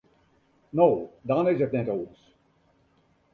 No, dan is it net oars.